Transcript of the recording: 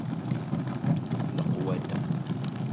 D leqwada.